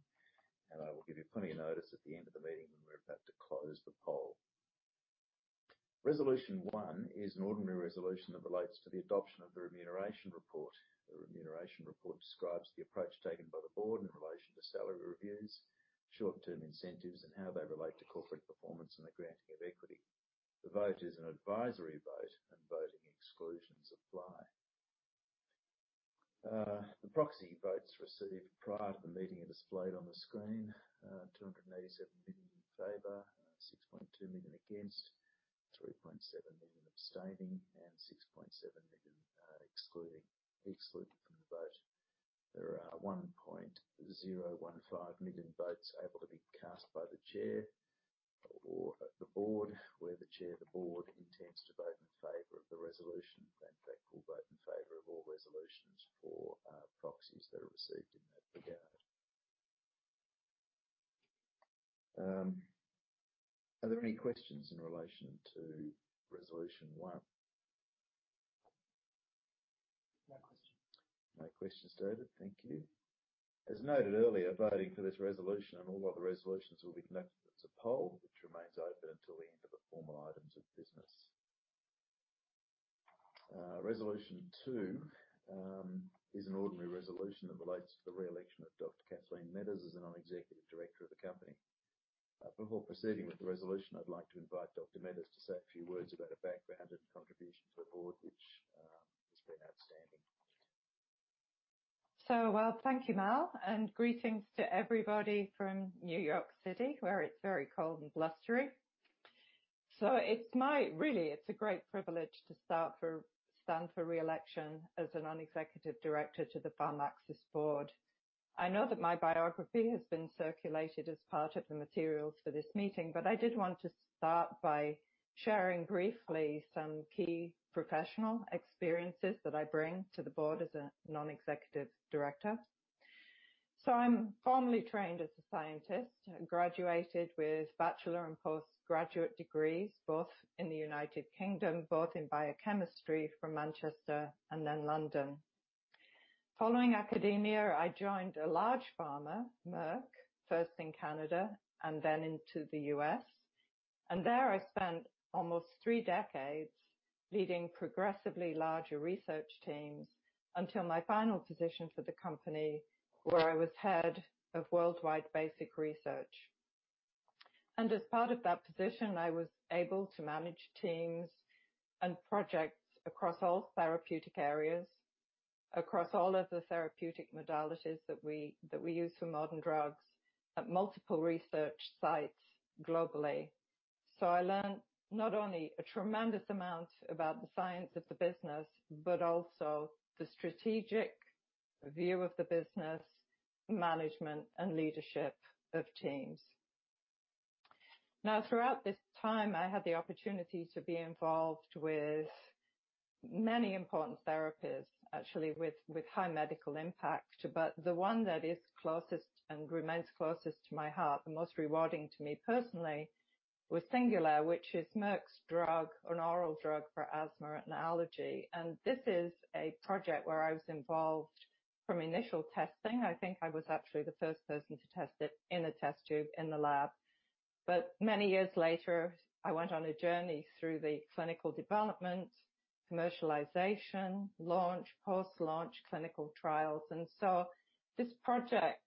I will give you plenty of notice at the end of the meeting when we're about to close the poll. Resolution one is an ordinary resolution that relates to the adoption of the remuneration report. The remuneration report describes the approach taken by the board in relation to salary reviews, short-term incentives, and how they relate to corporate performance and the granting of equity. The vote is an advisory vote. Voting exclusions apply. The proxy votes received prior to the meeting are displayed on the screen. 287 million in favor, 6.2 million against, 3.7 million abstaining, and 6.7 million excluded from the vote. There are 1.015 million votes able to be cast by the chair. The board, where the chair of the board intends to vote in favor of the resolution, and they call vote in favor of all resolutions for proxies that are received in that regard. Are there any questions in relation to resolution one? No questions. No questions David. Thank you. As noted earlier, voting for this resolution and all other resolutions will be conducted as a poll, which remains open until the end of the formal items of business. Resolution two is an ordinary resolution that relates to the re-election of Dr. Kathleen Metters as a Non-Executive Director of the company. Before proceeding with the resolution, I'd like to invite Dr. Metters to say a few words about her background and contribution to the board, which has been outstanding. Well, thank you Mal, and greetings to everybody from New York City, where it's very cold and blustery. Really, it's a great privilege to stand for re-election as a Non-Executive Director to the Pharmaxis board. I know that my biography has been circulated as part of the materials for this meeting, I did want to start by sharing briefly some key professional experiences that I bring to the board as a non-executive director. I'm formally trained as a scientist. I graduated with bachelor and postgraduate degrees, both in the United Kingdom, both in biochemistry from Manchester and then London. Following academia, I joined a large pharma, Merck, first in Canada and then into the U.S. There I spent almost three decades leading progressively larger research teams until my final position for the company, where I was head of worldwide basic research. As part of that position, I was able to manage teams and projects across all therapeutic areas, across all of the therapeutic modalities that we use for modern drugs at multiple research sites globally. I learned not only a tremendous amount about the science of the business, but also the strategic view of the business, management and leadership of teams. Throughout this time, I had the opportunity to be involved with many important therapies, actually with high medical impact. The one that is closest and remains closest to my heart, the most rewarding to me personally, was Singulair, which is Merck's drug, an oral drug for asthma and allergy. This is a project where I was involved from initial testing. I think I was actually the first person to test it in a test tube in the lab. Many years later, I went on a journey through the clinical development, commercialization, launch, post-launch, clinical trials. This project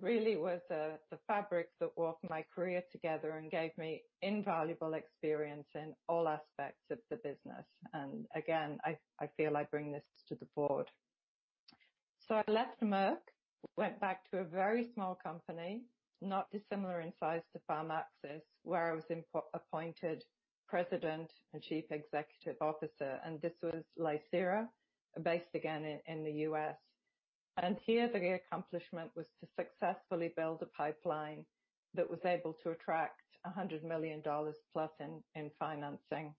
really was the fabric that wove my career together and gave me invaluable experience in all aspects of the business. Again, I feel I bring this to the board. I left Merck, went back to a very small company, not dissimilar in size to Pharmaxis, where I was appointed President and Chief Executive Officer. This was Lycera, based again in the U.S. Here the accomplishment was to successfully build a pipeline that was able to attract $100 million plus in financing.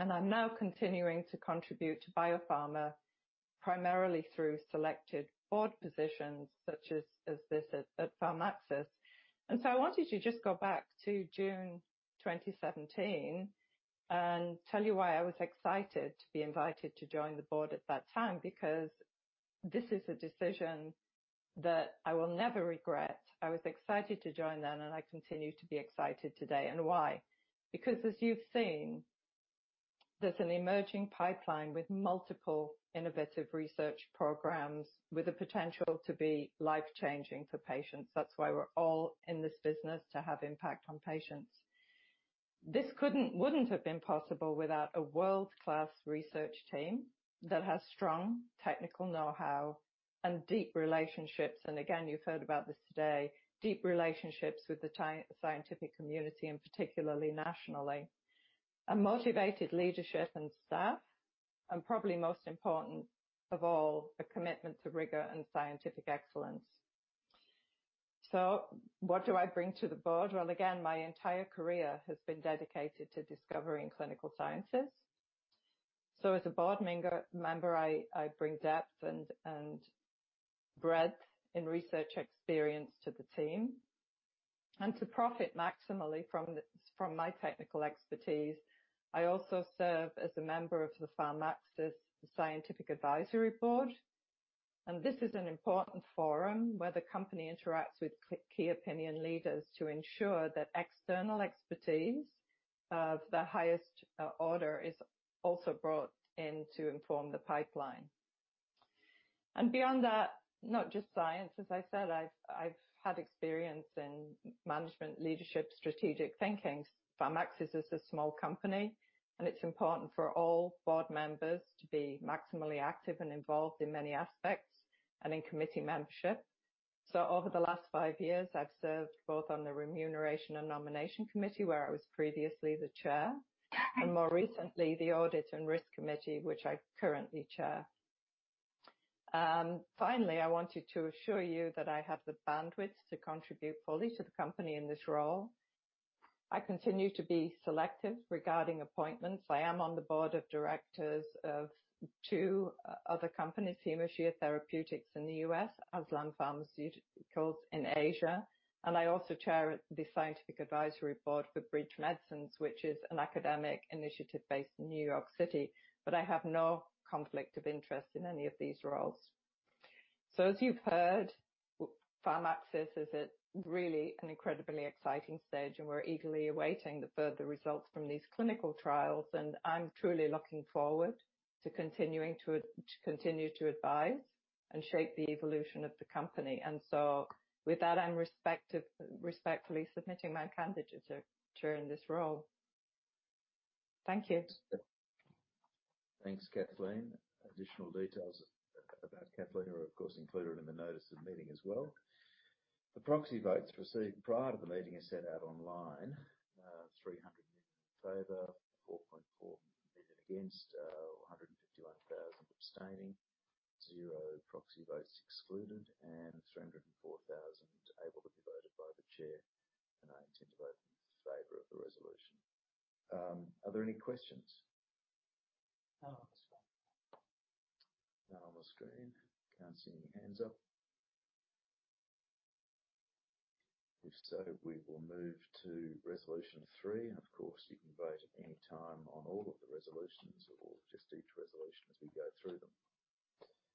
I'm now continuing to contribute to Biopharma, primarily through selected board positions such as this at Pharmaxis. I wanted to just go back to June 2017 and tell you why I was excited to be invited to join the board at that time, because this is a decision that I will never regret. I was excited to join then, and I continue to be excited today. Why? As you've seen, there's an emerging pipeline with multiple innovative research programs with the potential to be life-changing for patients. That's why we're all in this business, to have impact on patients. This wouldn't have been possible without a world-class research team that has strong technical know-how and deep relationships, again, you've heard about this today. Deep relationships with the scientific community, particularly nationally. A motivated leadership and staff, probably most important of all, a commitment to rigor and scientific excellence. What do I bring to the board? Well, again, my entire career has been dedicated to discovery and clinical sciences. As a board member, I bring depth and breadth in research experience to the team. To profit maximally from my technical expertise, I also serve as a member of the Pharmaxis Scientific Advisory Board. This is an important forum where the company interacts with key opinion leaders to ensure that external expertise of the highest order is also brought in to inform the pipeline. Beyond that, not just science, as I said, I've had experience in management, leadership, strategic thinking. Pharmaxis is a small company, and it's important for all board members to be maximally active and involved in many aspects and in committee membership. Over the last five years, I've served both on the Remuneration and Nomination Committee, where I was previously the chair, and more recently, the Audit and Risk Committee, which I currently chair. Finally, I wanted to assure you that I have the bandwidth to contribute fully to the company in this role. I continue to be selective regarding appointments. I am on the board of directors of two other companies, Hemispherx Biopharma in the U.S., ASLAN Pharmaceuticals in Asia, and I also chair the scientific advisory board for Bridge Medicines, which is an academic initiative based in New York City, but I have no conflict of interest in any of these roles. As you've heard, Pharmaxis is at really an incredibly exciting stage, and we're eagerly awaiting the further results from these clinical trials, and I'm truly looking forward to continuing to advise and shape the evolution of the company. With that, I'm respectfully submitting my candidature chairing this role. Thank you. Thanks Kathleen. Additional details about Kathleen are of course included in the notice of the meeting as well. The proxy votes received prior to the meeting are set out online. 300 million in favor, 4.4 million against, 151,000 abstaining, zero proxy votes excluded, and 304,000 able to be voted by the chair. I intend to vote in favor of the resolution. Are there any questions? None on the screen. None on the screen. Can't see any hands up. If so, we will move to resolution three. Of course, you can vote at any time on all of the resolutions or just each resolution as we go through them.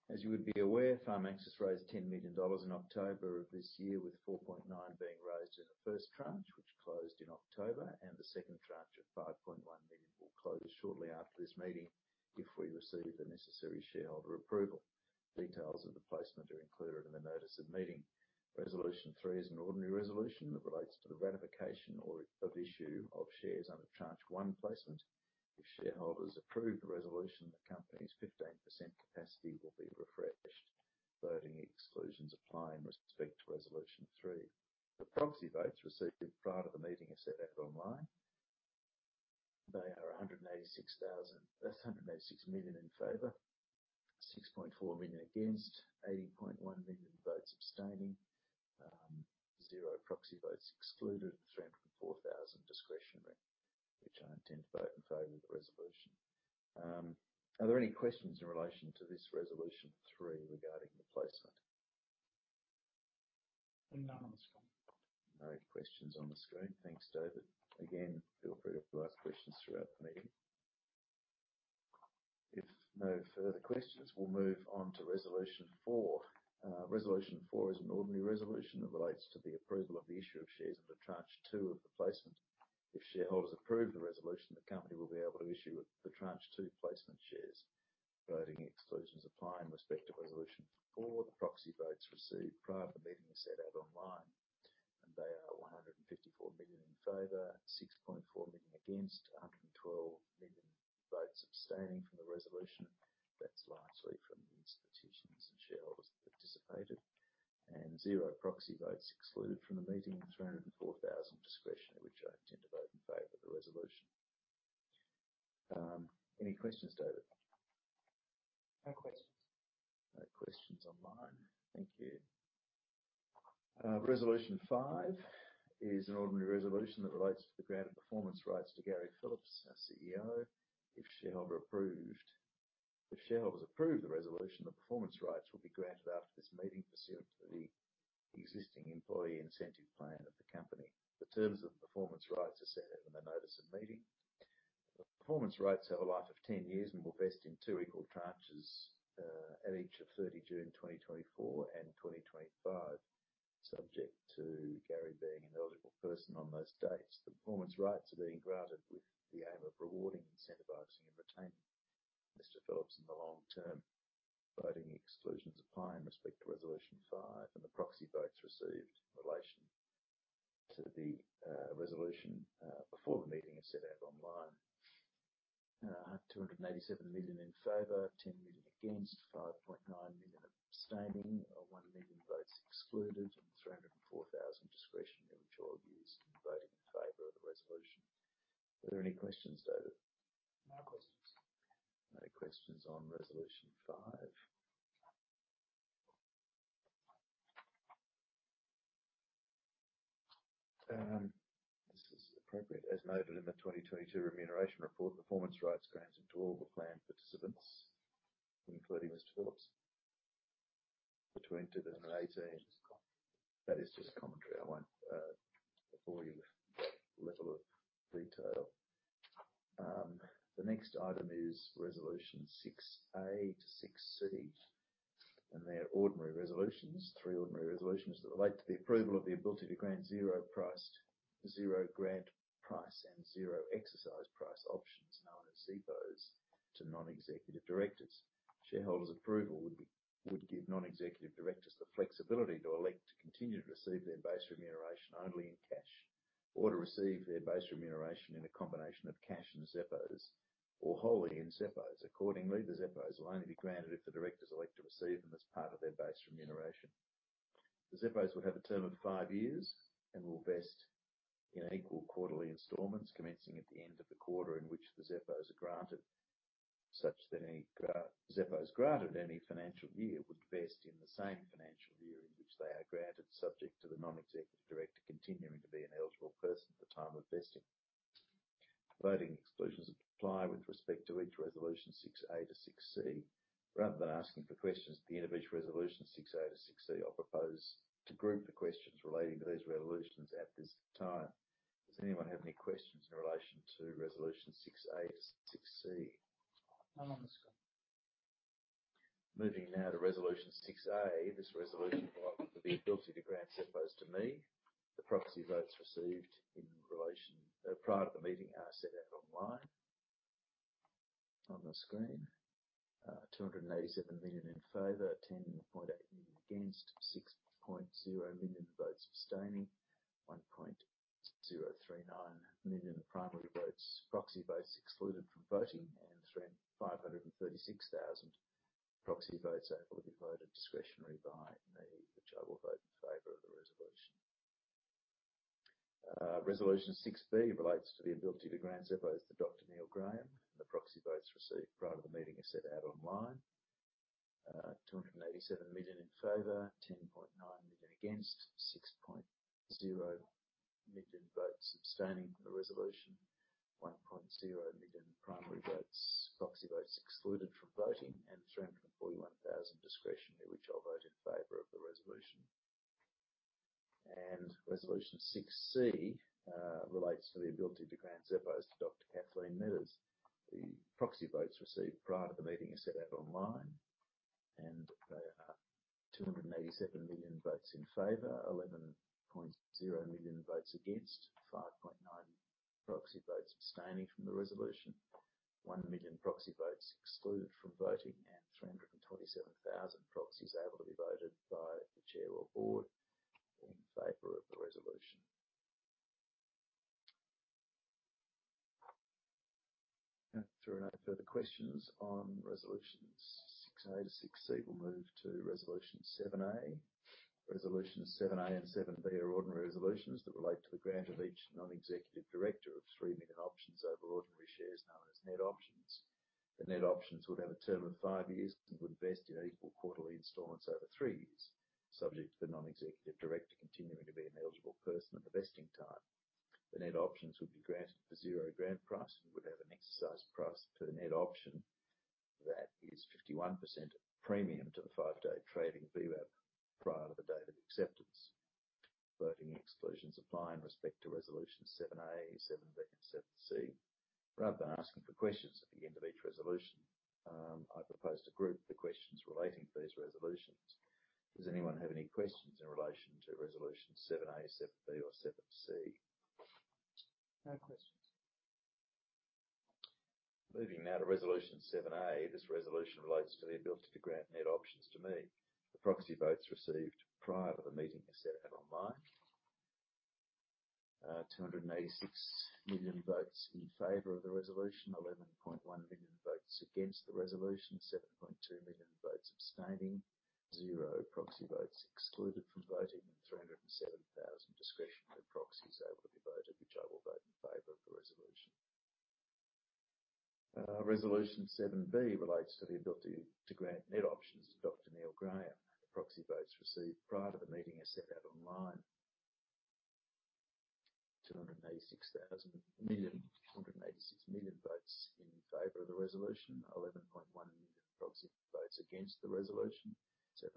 As you would be aware, Pharmaxis raised 10 million dollars in October of this year, with 4.9 million being raised in the first tranche, which closed in October. The second tranche of 5.1 million will close shortly after this meeting if we receive the necessary shareholder approval. Details of the placement are included in the notice of meeting. Resolution three is an ordinary resolution that relates to the ratification of issue of shares under tranche one placement. If shareholders approve the resolution, the company's 15% capacity will be refreshed. Voting exclusions apply in respect to Resolution three. The proxy votes received prior to the meeting are set out online. That's 186 million in favor, 6.4 million against, 80.1 million votes abstaining, zero proxy votes excluded, 304,000 discretionary, which I intend to vote in favor of the resolution. Are there any questions in relation to this resolution three regarding the placement? None on the screen. No questions on the screen. Thanks David. Again, feel free to ask questions throughout the meeting. If no further questions, we'll move on to resolution four. Resolution four is an ordinary resolution that relates to the approval of the issue of shares under tranche two of the placement. If shareholders approve the resolution, the company will be able to issue the tranche two placement shares. Voting exclusions apply in respect to resolution four. The proxy votes received prior to the meeting are set out online. They are 154 million in favor, 6.4 million against, 112 million votes abstaining from the resolution. That's largely from the institutions and shareholders that participated. Zero proxy votes excluded from the meeting. 304,000 discretionary, which I intend to vote in favor of the resolution. Any questions, David? No questions. No questions online. Thank you. Resolution five is an ordinary resolution that relates to the grant of performance rights to Gary Phillips, our CEO. If shareholders approve the resolution, the performance rights will be granted after this meeting pursuant to the existing employee incentive plan of the company. The terms of the performance rights are set out in the notice of meeting. The performance rights have a life of 10 years and will vest in two equal tranches, at each of 30 June 2024 and 2025, subject to Gary being an eligible person on those dates. The performance rights are being granted with the aim of rewarding, incentivizing, and retaining Mr. Phillips in the long term. Voting exclusions apply in respect to resolution five. The proxy votes received in relation to the resolution before the meeting is set out online. 287 million in favor, 10 million against, 5.9 million abstaining, one million votes excluded, and 304 thousand discretionary, which I'll be voting in favor of the resolution. Are there any questions, David? No questions. No questions on resolution five. This is appropriate. As noted in the 2022 remuneration report, performance rights granted to all the plan participants, including Mr. Phillips, between 2018. That is just commentary. I won't bore you with that level of detail. The next item is resolution six-A to six-C. They're three ordinary resolutions that relate to the approval of the ability to grant zero-priced, zero grant price and zero exercise price options, known as ZEPOs, to non-executive directors. Shareholders' approval would give non-executive directors the flexibility to elect to continue to receive their base remuneration only in cash, or to receive their base remuneration in a combination of cash and ZEPOs or wholly in ZEPOs. Accordingly, the ZEPOs will only be granted if the directors elect to receive them as part of their base remuneration. The ZEPOs will have a term of five years and will vest in equal quarterly installments commencing at the end of the quarter in which the ZEPOs are granted, such that any ZEPOs granted any financial year would vest in the same financial year in which they are granted, subject to the non-executive director continuing to be an eligible person at the time of vesting. Voting exclusions apply with respect to each resolution six-A to six-C. Rather than asking for questions at the end of each resolution six-A to six-C, I'll propose to group the questions relating to these resolutions at this time. Does anyone have any questions in relation to resolution six-A to six-C? None on the screen. Moving now to resolution six-A. This resolution relates to the ability to grant ZEPOs to me. The proxy votes received in relation prior to the meeting are set out online, on the screen. 287 million in favor, 10.8 million against, 6.0 million votes abstaining, 1.039 million primary votes, proxy votes excluded from voting, and 536 thousand proxy votes able to be voted discretionary by me, which I will vote in favor of the resolution. Resolution six-B relates to the ability to grant ZEPOs to Dr. Neil Graham. The proxy votes received prior to the meeting are set out online. 287 million in favor, 10.9 million against, 6.0 million votes abstaining the resolution, 1.0 million primary votes, proxy votes excluded from voting, and 341,000 discretionary, which I'll vote in favor of the resolution. Resolution six-C relates to the ability to grant ZEPOs to Dr. Kathleen Metters. The proxy votes received prior to the meeting are set out online, and they are 287 million votes in favor, 11.0 million votes against, 5.9 proxy votes abstaining from the resolution, one million proxy votes excluded from voting, and 327,000 proxies able to be voted by the chair or board in favor of the resolution. If there are no further questions on resolutions six-A to six-C, we'll move to resolution seven-A. Resolution seven-A and seven-B are ordinary resolutions that relate to the grant of each non-executive director of three million options over ordinary shares known as NED options. The NED options would have a term of five years and would vest in equal quarterly installments over three years, subject to the non-executive director continuing to be an eligible person at the vesting time. The NED options would be granted for zero grant price and would have an exercise price per net option that is 51% premium to the five-day trading VWAP prior to the date of acceptance. Voting exclusions apply in respect to resolution seven-A, seven-B and seven-C. Rather than asking for questions at the end of each resolution, I propose to group the questions relating to these resolutions. Does anyone have any questions in relation to resolution seven-A, seven-B or seven-C? No questions. Moving now to resolution seven-A. This resolution relates to the ability to grant NED options to me. The proxy votes received prior to the meeting are set out online. 286 million votes in favor of the resolution, 11.1 million votes against the resolution, 7.2 million votes abstaining, zero proxy votes excluded from voting, and 307,000 discretionary proxies able to be voted, which I will vote in favor of the resolution. Resolution seven-B relates to the ability to grant NED options to Dr. Neil Graham. Proxy votes received prior to the meeting are set out online. 286 million votes in favor of the resolution, 11.1 million proxy votes against the resolution, 7.2 million proxy votes abstaining, zero proxy votes excluded from voting, 327,000 proxy votes able to be voted by the chair or board, which the chair intends to vote in favor of the resolution. Resolution seven-C relates to the ability to grant NED options to Dr. Kathleen Metters. The proxy votes received prior to the meeting are set out online. 286 million votes in favor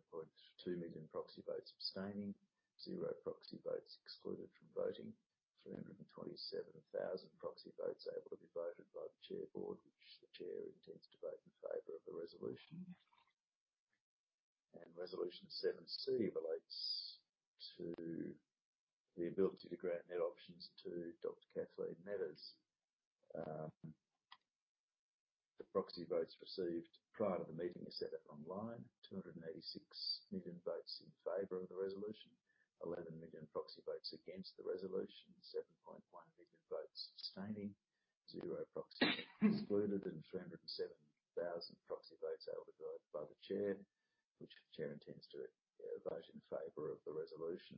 of the resolution, 11 million proxy votes against the resolution, 7.1 million votes abstaining, zero proxy votes excluded, 307,000 proxy votes able to be voted by the chair, which the chair intends to vote in favor of the resolution.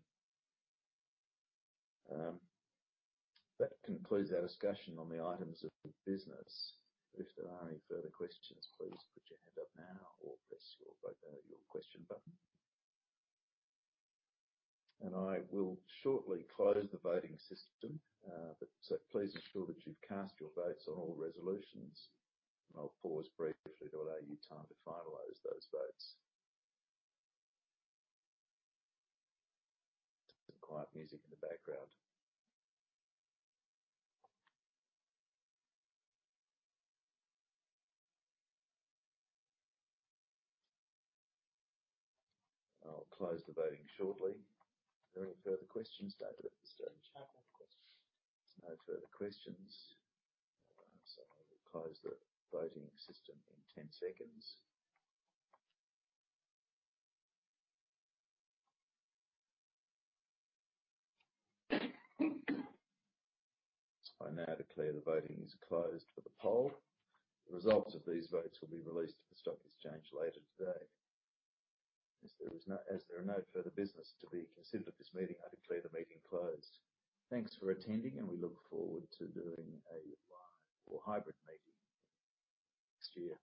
That concludes our discussion on the items of the business. If there are any further questions, please put your hand up now or press your vote, your question button. I will shortly close the voting system. Please ensure that you've cast your votes on all resolutions, and I'll pause briefly to allow you time to finalize those votes. Some quiet music in the background. I'll close the voting shortly. Are there any further questions, David, at this stage? No further questions. There's no further questions. I will close the voting system in 10 seconds. I now declare the voting is closed for the poll. The results of these votes will be released to the stock exchange later today. As there are no further business to be considered at this meeting, I declare the meeting closed. Thanks for attending, and we look forward to doing a live or hybrid meeting next year.